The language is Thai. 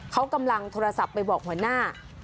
เขากำลังโทรศัพท์ไปบอกหัวหน้า